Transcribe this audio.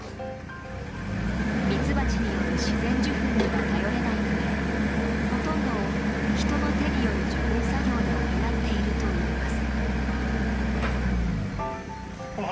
ミツバチによる自然受粉には頼れないためほとんどを人の手による授粉作業で補っているといいます。